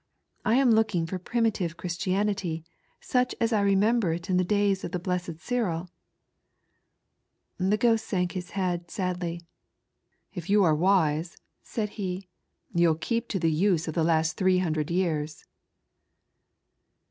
I am looking for primitive Christianity, such as I remember it in the days of the blessed Cyril." The ghost shook his head sadly. " If yon're wise," THE POPULAR PREACHER. 33 said he, "you'll keep to the use of the last three hundred years."